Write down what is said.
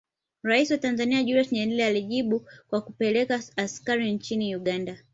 Rais wa Tanzania Julius Nyerere alijibu kwa kupeleka askari nchini Uganda